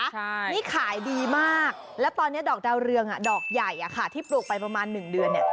นี่ขายดีมากและตอนนี้ดอกดาวเรืองดอกใหญ่ที่ปลูกไปประมาณ๑เดือน